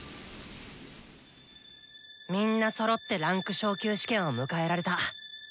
みんなそろって位階昇級試験を迎えられた。